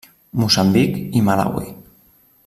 Moçambic i Malawi.